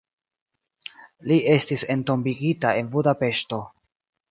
Li estis entombigita en Budapeŝto.